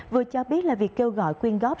vừa cho biết là việc kêu gọi quyên góp